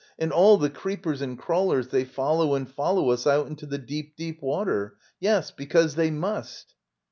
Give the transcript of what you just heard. ] And all the creepers and crawlers, they follow and follow us out into the deep, deep water. Yes, because they must!